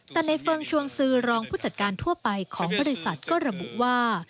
แต่ในเฟิร์งชวงซื้อรองผู้จัดการทั่วไปของบริษัทก็ระบุว่า